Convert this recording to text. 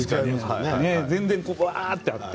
全然うわあっとあって。